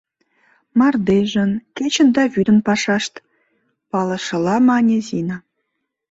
— Мардежын, кечын да вӱдын пашашт, — палышыла, мане Зина.